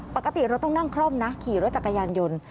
ปกติเราต้องนั่งคล่อมนะขี่รถจักรยานยนต์